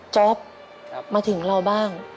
จ๊อปมาถึงเราบ้าง